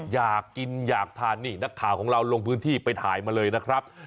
อยากกินอยากทานนี่นักข่าวของเราลงพื้นที่ไปถ่ายมาเลยนะครับ